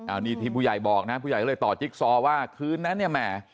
อันนี้ที่ผู้ใหญ่บอกนะผู้ใหญ่ก็เลยต่อจิ๊กซอว่าคืนนั้นเนี่ยแหม